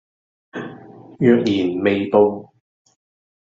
若然未報